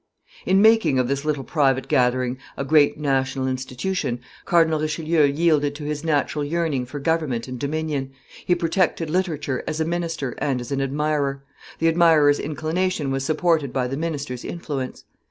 In making of this little private gathering a great national institution, Cardinal Richelieu yielded to his natural yearning for government and dominion; he protected literature as a minister and as an admirer; the admirer's inclination was supported by the minister's influence.